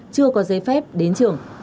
chưa có giấy phép đến trường